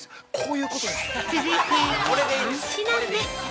◆続いて、３品目。